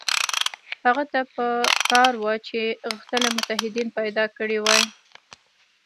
هغه ته په کار وه چې غښتلي متحدین پیدا کړي وای.